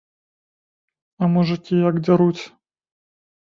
А мужыкі як дзяруць!